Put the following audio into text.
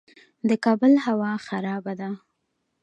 د کابل هوا خرابه ده